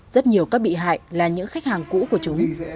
rất nhiều các bị hại là những khách hàng cũ của chúng